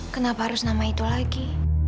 kenapa harus nama itu lagi